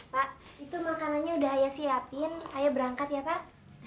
pak itu makanannya udah ayah siapin ayah berangkat ya pak